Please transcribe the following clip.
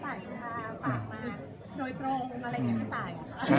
ฝากมาโดยพรมอะไรอย่างนี้ไปต่าย